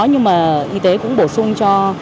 nhưng mà y tế cũng bổ sung cho